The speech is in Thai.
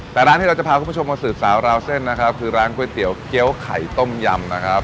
แต่ร้านที่เราจะพาคุณผู้ชมมาสืบสาวราวเส้นนะครับคือร้านก๋วยเตี๋ยวเกี้ยวไข่ต้มยำนะครับ